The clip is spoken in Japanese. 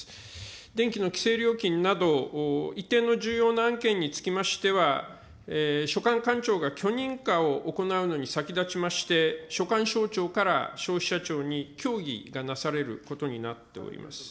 電気の規制料金など、一定の重要な案件につきましては、所管官庁が許認可を行うのに先立ちまして、所管省庁から消費者庁に協議がなされることになっております。